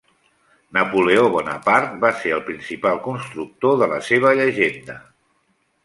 Napoleó Bonaparte va ser el principal constructor de la seva llegenda.